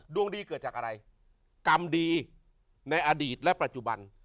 ดวงดีเกิดจากอะไรกรรมดีในอดีตและปัจจุบัน